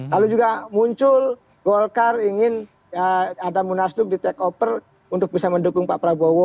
lalu juga muncul golkar ingin adam munasduk di take over untuk bisa mendukung pak prabowo gitu loh